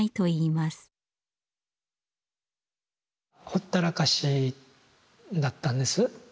ほったらかしだったんです。